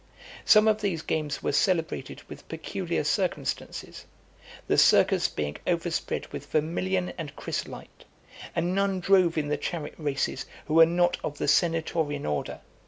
Some of these games were celebrated with peculiar circumstances; the Circus being overspread with vermilion and chrysolite; and none drove in the chariot races who were not of the senatorian order.